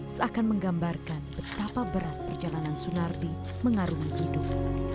seakan menggambarkan betapa berat perjalanan sunardi mengarungi hidup